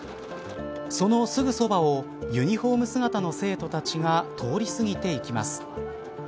そのすぐそばをユニホーム姿の生徒たちが通り過ぎていきます。